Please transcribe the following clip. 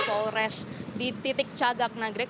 polres di titik cagak nagrek